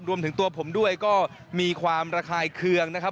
รวมถึงตัวผมด้วยก็มีความระคายเคืองนะครับ